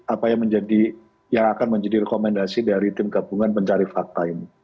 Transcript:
apa yang akan menjadi rekomendasi dari tim gabungan pencari fakta ini